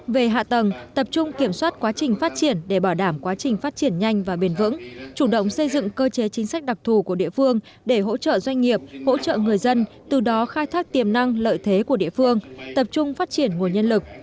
về hạ tầng tập trung kiểm soát quá trình phát triển để bảo đảm quá trình phát triển nhanh và bền vững chủ động xây dựng cơ chế chính sách đặc thù của địa phương để hỗ trợ doanh nghiệp hỗ trợ người dân từ đó khai thác tiềm năng lợi thế của địa phương tập trung phát triển nguồn nhân lực